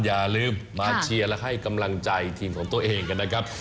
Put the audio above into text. อย่าลืมมาเชียร์และให้กำลังใจทีมของตัวเองกันนะครับ